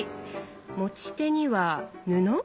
持ち手には布？